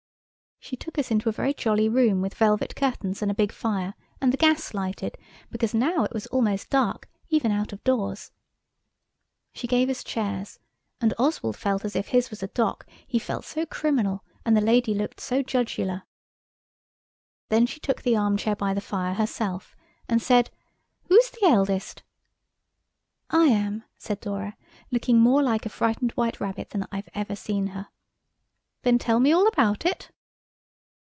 She took us into a very jolly room with velvet curtains and a big fire, and the gas lighted, because now it was almost dark, even out of doors. She gave us chairs, and Oswald felt as if his was a dock, he felt so criminal, and the lady looked so Judgular. Then she took the arm chair by the fire herself, and said, "Who's the eldest?" "I am," said Dora, looking more like a frightened white rabbit than I've ever seen her. "Then tell me all about it."